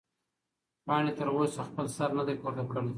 پاڼې تر اوسه خپل سر نه دی پورته کړی.